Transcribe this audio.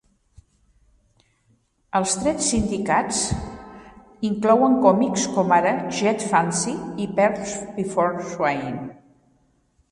Els trets sindicats inclouen còmics com ara "Get Fuzzy" i "Pearls Before Swine".